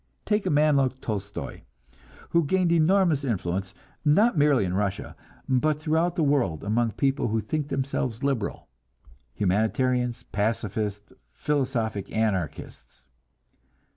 Take a man like Tolstoi, who gained enormous influence, not merely in Russia, but throughout the world among people who think themselves liberal humanitarians, pacifists, philosophic anarchists.